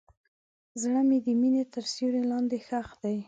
زړه مې د مینې تر سیوري لاندې ښخ دی.